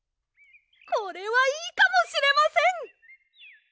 これはいいかもしれません！